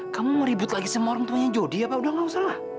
kamu mau ribut lagi sama orang tuanya jody apa udah gak usah lah